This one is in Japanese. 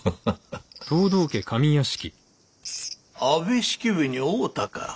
安部式部に会うたか。